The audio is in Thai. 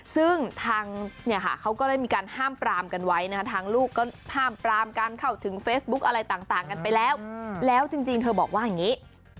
ซึ่งทางเนี่ยค่ะเขาก็ได้มีการห้ามปรามกันไว้นะคะทางลูกก็ห้ามปรามการเข้าถึงเฟซบุ๊กอะไรต่างกันไปแล้วแล้วจริงเธอบอกว่าอย่างนี้